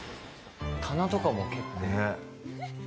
棚とかも結構。